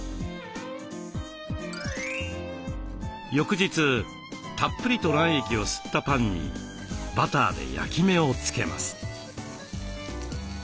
翌日たっぷりと卵液を吸ったパンにバターで焼き目を付けます。